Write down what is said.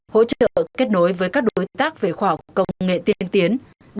hỗ trợ kết nối với các đối tác về khoa học công nghệ tiên tiến